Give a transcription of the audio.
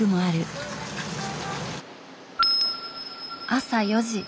朝４時。